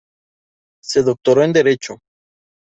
Se doctoró en Derecho.